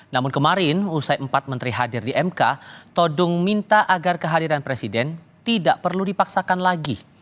namun kemarin usai empat menteri hadir di mk todung minta agar kehadiran presiden tidak perlu dipaksakan lagi